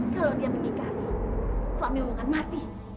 kalau dia meninggalkan suami saya suami saya akan mati